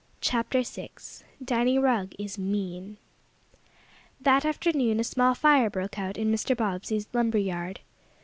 CHAPTER VI DANNY RUGG IS MEAN THAT afternoon a small fire broke out in Mr. Bobbsey's lumber yard.